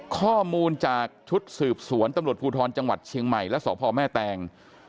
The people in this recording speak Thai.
ข้อมูลจากชุดสืบสวนตำรวจภูทรจังหวัดเชียงใหม่และสพแม่แตง